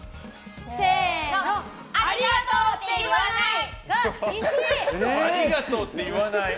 ありがとうって言わないが１位！